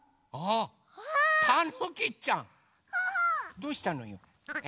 どうしたのよ？え？